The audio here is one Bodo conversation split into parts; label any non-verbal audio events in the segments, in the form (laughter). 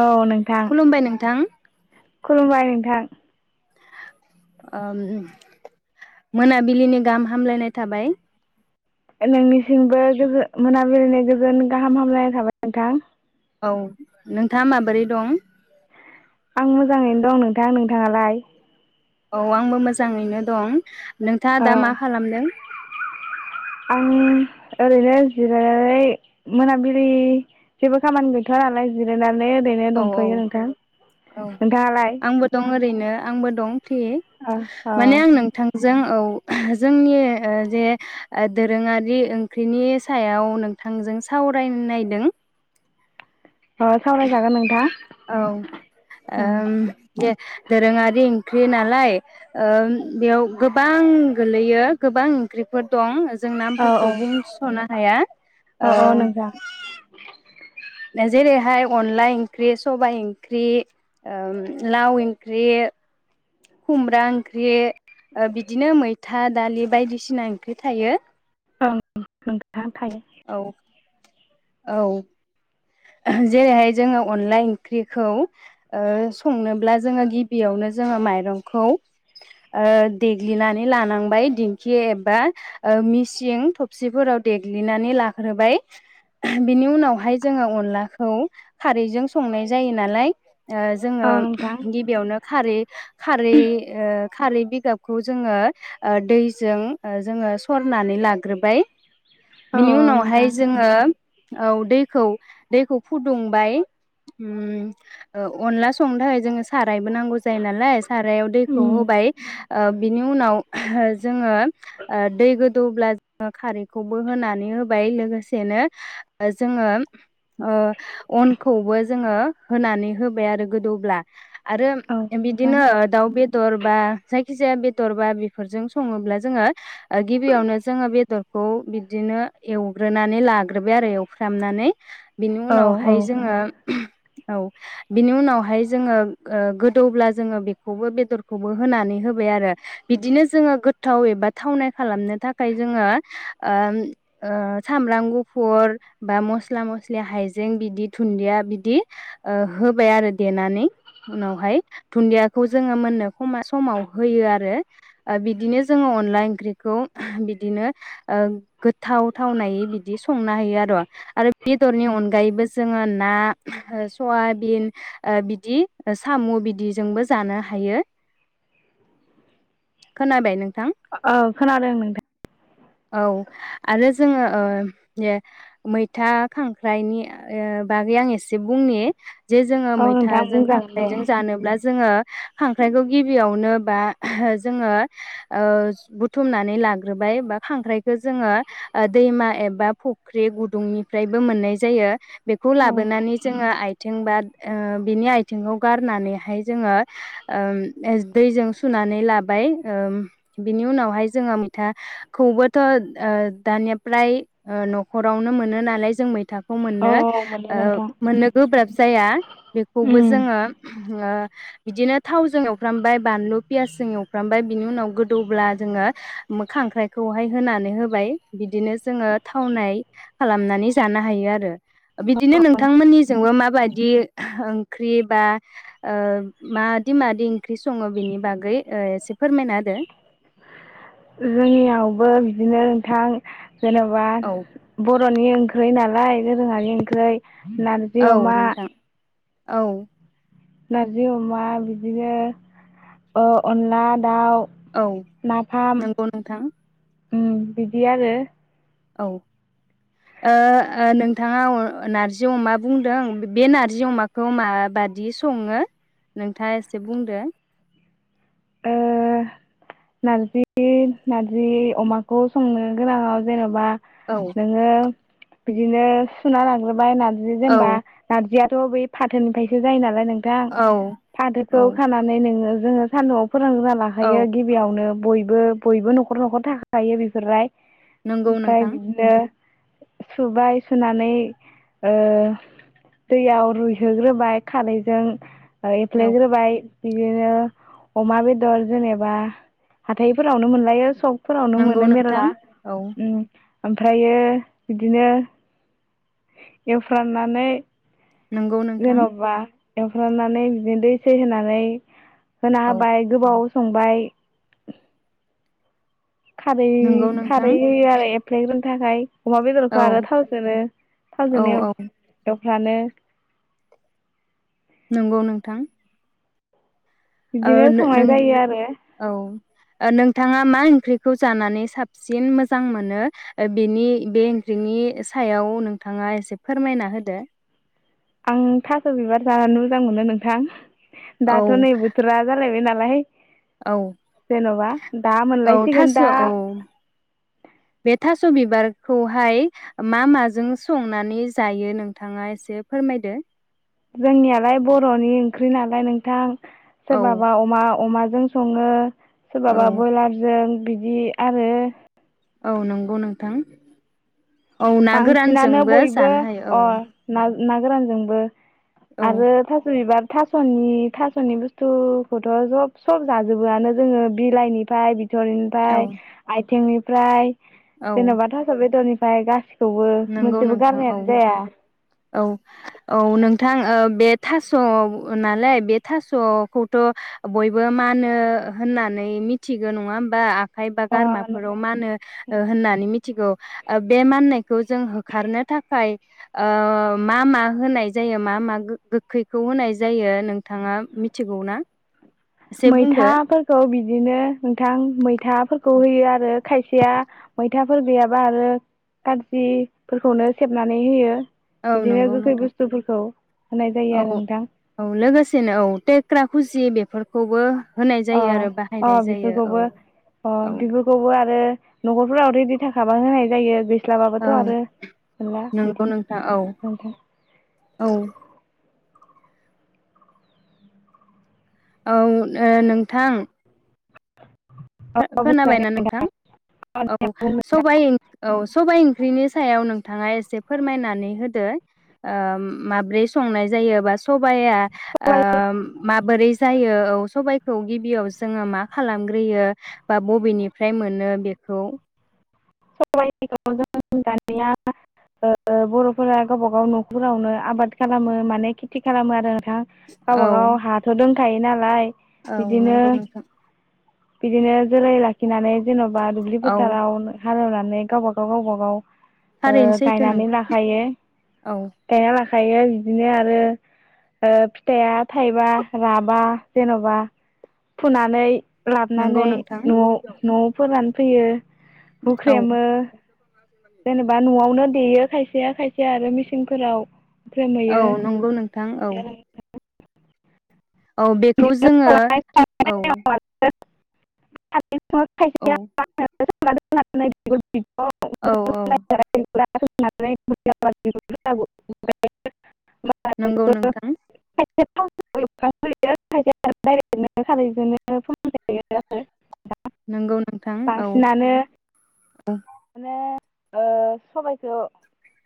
औ नोंथां खुलुमबाय नोंथां खुलुमबाय नोंथा (unintelligible) ओम मोनाबिलिनि गाहाम हामलायनाय थाबाय नोंनिसिमबो गोजो मोनाबिलिनि गोजोन गाहाम हामलायनाय थाबाय नोंथां। औ नोंथाङा माबोरै दं? आं मोजाङैनो दं नोंथां नोंथाङालाय? औ आंबो मोजाङैनो दं। नोंथाङा ओ दा मा खालामदों? आं ओरैनो जिरायनानै मोनाबिलि जेबो खामानि गैथआ नालाय जिरायनानै ओरैनो औ दंथ'यो नोंथां औ औ नोंथाङालाय आंबो दं ओरैनो आंबो दं फ्रि अ अ माने आं नोंथांजों औ जोंनि ओ जे दोरोङारि ओंख्रिनि सायाव नोंथांजों सावरायनो नायदों। अ सावरायजागोन नोंथां। औे ओम दे दोरोङारि ओं ओंख्रि नालाय ओम बेयाव गोबां गोलैयो गोबां ओंख्रिफोर दं ओ जों नामफोरखौ बुंसनो हाया अ अ ओ नोंजा जेरैहाय अनला ओंख्रि सबबाय ओंख्रि लाव ओंख्रि खुमब्रा ओंख्रि बिदिनो मैथा दालि बायदिसिना ओंख्रि थायो। ओं नोंथां। थायो औ औ जेरैहाय जोङो अनला ओंख्रिखौ संनोब्ला जोङो गिबियावनो जोङो माइरंखौ ओ देग्लिनानै लानांबाय दिंखि एबा मिसिं थबसिफोराव देग्लि नानै लाग्रोबाय बिनि उनावहाय जोङो अनलाखौ खारैजों संनाय जायो नालाय ओ औ जोङो नोंथां गिबियावनो खारै-खारै ओ खारै बिगाबखौ जोङो ओ दैजों जोङो ओ सरनानै लाग्रोबाय। औ बिनि उनावहाय नोंथां जोङो औ दैखौ दैखौ फुदुंबाय ओम ओ अनला संनो थाखाय जोङो सारायबो नांगौ जायो नालाय सारायाव दैखौ उम होबाय ओ बिनि उनाव जोङो ओ दै गोदौब्ला जोङो खारैखौ खौबो होनानै होबाय लोगोसेनो जोङो ओ अनखौबो जोङो होनानै होबाय आरो गोदौब्ला आरो औ नोंथां बिदिनो दाउ बेदर बा जायखिजा जाया बेदर बा बिफोरजों संङोब्ला जोङो गिबियावनो जोङो बेदर खौ बिदिनो एवग्रोनानै लाग्रोबाय आरो एवफ्रामनानै बिनि औ औ उनावहाय जोङो औ बिनि उनावहाय जोङो ओ गोदौब्ला जोङो बेखौबो बेदरखौबो होनानै होबाय आरो बिदिनो जोङो गोथाव एबा थावनाय खालामनो थाखाय जोङो ओ ओ सामब्राम गुफुर बा मस्ला मस्लि हाइजें बिदि थुन्दिया बिदि होबाय आरो देनानै उनावहाय थुन्दियाखौ जोङो मोननो खमा समाव होयो आरो बिदिनो जोङो अनला ओंख्रिखौ बिदिनो ओ गोथाव थावनायै बिदि संनो हायो आरो आर' बेदरनि औ अनगायैबो जोङो ना सवाबिन ओ बिदि साम' बिदिजोंबो जानो हायो (inaudible) खोनाबाय नों औ खोनादों नोंथां औ आरो जोङो ओ दे मैथा खांख्राइनि बागै आं एसे बुंनि जे जोङो औ नोंथां मैथाजों बुंजागोन दे खाख्राइजों जानोब्ला जोङो खांख्राइखौ गिबियावनो बा जोङो ओ बुथुमनानै लाग्रोबाय बा खांख्राइखौ जोङो दैमा एबा फुख्रि गुदुंनिफ्रायबो मोननाय जायो बेखौ औ लाबोनानै जोङो आइथिं बा ओ बिनि आइथिखौ गारनानैहाय जोङो ओ एस दैजों सुनानै लाबाय ओम बिनि उनावहाय जोङो मैथा खौबोथ' ओ दानिया फ्राय ओ नखरावनो मोनो नालाय जों मैथा खौ औ मोननो मोनो ओ नोंथां मोननो गोब्राब जाया बेखौबो उम जोङो ओ बिदिनो थावजों एवफ्रामबाय बानलु पियासजों एवफ्रामबाय बिनि उनाव गोदौब्ला जोङो खांख्राय खौहाय होनानै होबाय बिदिनो जोङो थावनाय खालामनानै जानो हायो आरो बिदिनो नोंथांमोननिजोंबो मा बादि ओ ओंख्रि बा ओ मादि मादि ओंख्रि सङो बेनि बागै एसे फोरमायना होदो जोंनियावबो बिदिनो नोंथां जेन'बा औ (unintelligible) बर'नि ओंख्रै नालाय दोरोङानि ओंख्रै नारजि औ अमा नोंथां औ नारजि अमा बिदिनो ओ अनला दाउ औ नाफाम नोंगौ नोंथां उम बिदि आरो। औ ओ ओ नोंथाङा अ नारजि अमा बुंदों बे नारजि अमाखौ माबादि सङो नोंथाङा एसे बुंदो ओ नारजि नारजि अमाखौ संनो गोनाङाव जेन'बा औ नोङो बिदिनो सुना लाग्रोबाय ना जि जेनेबा औ नारजिया थ' बै फाथोनिफ्रायसो जायो नालाय नों थां औ औ फाथोखौ खानानै नोङो जोङो सानदुंआव फोरानग्रोना औ लाखायो गिबियावनो बयबो बयबो नखर नखर थाखायो बेफोरलाय नंगौ ओमफ्राय नोंथां बिदिनो सुबाय सुनानै ओ दैयाव रुयहोग्रोबाय खारैजों ओ औ एफ्लेग्रोबाय बिदिनो अमा बेदर जेनेबा हाथायफोरावनो मोनलायो सब फोरावनो नंगौ मोनो नोंथां मेरला औ ओम आमफ्रायो बिदिनो एवफ्रामनानै नोंगौ नोंथां जेन'बा एवफ्रामनानै बिदिनो दै सै होनानै होना औ होबाय गोबाव संबाय खारै नंगौ खारै नोंथां होयो आरो एफ्लेग्रोन थाखाय अमा औ बेदरखौ आरो थावजोंनो औ थावजोंनो एव औ एव जानो नोंगौ नोंथां बिदिनो नों संनाय जायो आरो ओ नोंथाङा मा ओंख्रिखौ जानानै साबसिन मोजां मोनो ओ बेनि बे ओंख्रिनि सायाव नोंथाङा एसे फोरमायना होदो आं थास' बिबार जानानै मोजां मोनो नोंथां औ दाथ' नै बोथोरा जालायबाय ना (unintelligible) औ दा औ मोनलायसिगोन थास' दा औ बे थास' बिबार खौहाय मा माजों संनानै जायो नोंथाङा एसे फोरमायदो जोंनियालाय बर'नि ओंख्रि नालाय नोंथां औ सोरबाबा अमा-अमा जों सङो औ सोरबाबा बयलारजों बिदि आरो औ नंगौ नोंथां औ ना बांसिनानो गोरानजोंबो बयबो जानो हायो अ औ नाग ना गोरानजोंबो औ आरो थास' बिबार थासनि थासनि बुस्थुखौथ‌ सब सब जाजोबोआनो जोङो बिलाइनिफ्राय बि औ बिथरिनिफ्राय आथिंनि फ्राय औ जेनबा थास बेदरनि बाय गासि नंगौ नोंथां औ औ औ नोंथां ओ बे थास नालाय बे थासखौथ‌ बयबो मानो होननानै मिथिगौ नङा होमबा खायबा अ गारमा फोराव मानो ओ होननानै मिथि मिथिगो बे माननाय खौ जों होखारनो थाखाय ओ मा मा होनाय जायो मा मा गोखैखौ होनाय जायो नोंथाङा मिथिगौ ना? एसे बुंदो मैथाफोरखौ बिदि बिदिनो नोंथां मैथाफोरखौ होयो आरो खायसेया मै मैथाफोर गैयाबा आरो खार्जिफोरखौनो सेबनानै होयो। औ बिदिनो नंगौ गोखै नोंथां बुस्थुफोरखौ होनाय जायो आरो औ नोंथां औ लोगोसेनो औ टेक्रा खुसि बे फोरफोरखौबो अ अ बेफोरखौबो अ औ बेफोरखौबो आरो न'खरफोराव रेडि थाखाबा होनाय जायो। मोनस्लाबाबाथ औ आरो मोनला नंगौ बिदि नोंथां औ नोथां। औ औ ओ नोंथां औ खोनाबायना बुंजागोन नोंथां औ सबाय औ सबाय‌ ओंख्रिनि सायाव नोंथाङा एसे एसे फोरमायनानै होदो ओ माब्रै संनाय जायोबा सबाया ओ नोंथां। माबोरै जायो औ सबाइखौ गिबियाव जोङो मा खालामग्रोयो। बा बबेनिफ्राय मोनो बेखौ सबायखौ जों दानिया ओ बरफोरा गावबा गाव नखरावनो आबाद खालामो माने खेथि खालामो आरो। (unintelligible) औ गावबा गाव हाथ दं गायो नालाय औ बिदिनो नंगौ नोंथां। बिदिनो जोलै लाखिनानै जेनबा बा दुब्लि औ फोथारावनो हालेवनानै गावब गाव गावब गाव थारैनो ओ सैथो नों गायनानै लाखायो औ गायना लाखा खायो बिदिनो आरो ओ फिथाइया थाइबा राबा जेन'बा फुनानै नंगौ लाबनानै नोंथां न'आव न'आव फोरान फैयो औ होख्रेमो जेनेबा न'आवनो देयो खायसेया खायसेया आरो मेसिंफोराव औ नंगौ नोंथां औ औ बेखौ जोङो औ (unintelligible) औ (unintelligible) (unintelligible) औ औ (unintelligible) नंगौ नोंथां (unintelligible) (unintelligible) खारैजोंनो (unintelligible) दा नंगौ नोंथां औ बांसिनानो माने ओ सबायखौ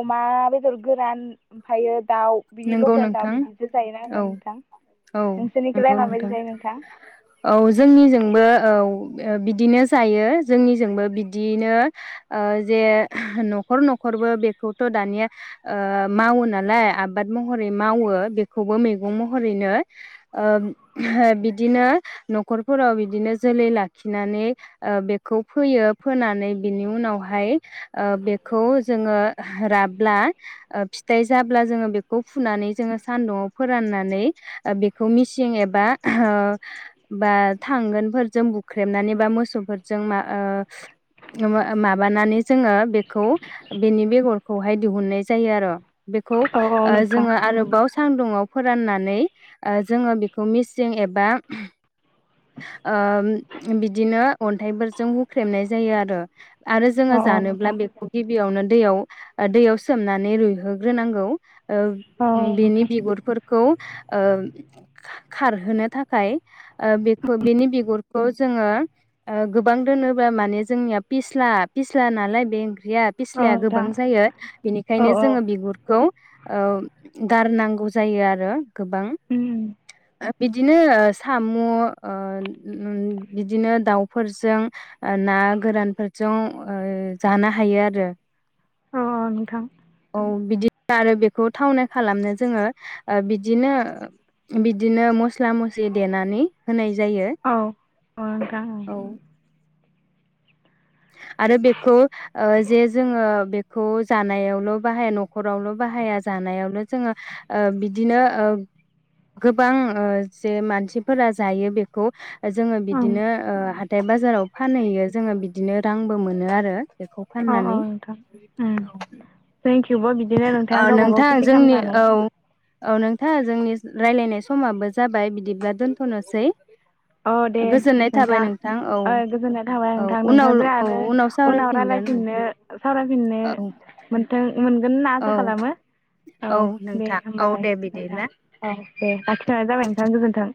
अमा बेदर गोरान ओमफायो नंगौ नोंथां औ नोंथां औ नोंसोरनिखौलाय नंगौ माबायदि नोंथां जायो औ जोंनिजोंबो औ अ बिदिनो जायो जोंनिजोंबो बिदिनो ओ जे नखर नखरबो बेखौथ' दानिया ओ मावो नालाय आ आबाद महरै मावो बेखौबो मैगं महरैनो ओ बिदिनो नखरफोराव बिदिनो जोलै लाखिनानै ओ बेखौ फोयो फोनानै बिनि उनावहाय ओ बेखौ जोङो राब्ला फिथाइ जाब्ला जोङो बे खौ फुनानै जोङो सानदुंङाव फोराननानै बेखौ मिसिं एबा बा ओ थांगोनफोरजों बुख्रेबनानै बा मोसौफोरजों मा आ माबानानै जोङो बेखौ बेनि बेगरखौहाय दिहुननाय जायो आर' बेखौ औ औ ओ नोंथां जोङो आरोबाव सानदुङाव फोराननानै ओ जोङो बेखौ मिसिं एबा ओ उम बिदिनो अन्थाइफोरजों हुख्रेमनाय जायो आरो आरो जोङो औ औ जानोब्ला नोंथां बेखौ गिबियावनो दैयाव ओ दैयाव सोमनानै रुयहोग्रोनांगौ औ उम औ बिनि नोंथां बिगुरफोर खौ ओ खारहोनो थाखाय ओ बे खौ बेनि बिगुरखौ जोङो ओ गोबां दोनोबा माने जोंनिया फिस्ला फिस्ला नालाय बे ओं बिया औ फिस्लाया नोंथां गोबां जायो औ बिनिखायनो औ जोङो बिगुरखौ ओ गारनांगौ औ जायो आरो गोबां उम (unintelligible) बिदिनो साम' ओ उम बिदिनो दाउफोरजों ना गोरानफोरजों ओ जानो हायो आरो अ नोंथां औ बिदि आरो बेखौ थावनाय खालामनो जोङो ओ बिदिनो बिदिनो मस्ला मस्लि देनानै होनाय जायो औ औ नोंथां औ आरो बेखौ ओ जे जोङो बेखौ जानायावल' बाहाया नखरावल' बाहाया जानायावल' जोङो ओ बिदिनो ओ गोबां जे मानसिफोरा जायो बेखौ जोङो बिदिनो ओ हाथाइ बाजाराव फानैयो जोङो बिद बिदिनो रांबो मोनो आरो बेखौ औ औ फाननानै नोंथां उम थेंक इ थेवबो बिदिनो औ नोंथाङा गावबा नोंथां गाव खेथि जोंनि खालामनानै औ औ नोंथां जोंनि रायलायनाय समाबो जाबाय बिदिब्ला दोनथ'नोसै औ दे गोजोननाय थाबाय नोंथां औ ओ गोजोननाय थाबाय औ नोंथां उनाव नोंथांजों औ आरो उनाव सावरायफिनगोन रायलायफिननो नोंथां सावरायफिननो औ मोनथों मोनगोन ना औ आसा खालामो औ दे नोंथां औ होमबालाय दे नोंथां बिदिब्ला औ दे लाखिथ'नाय जाबाय नोंथां गोजोन्थों